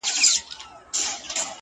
مه راته وايه چي د کار خبري ډي ښې دي،